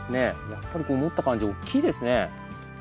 やっぱりこう持った感じ大きいですね。